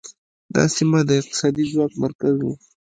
دا سیمه د اقتصادي ځواک مرکز و